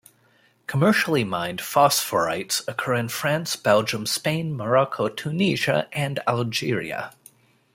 Commercially mined phosphorites occur in France, Belgium, Spain, Morocco, Tunisia and Algeria.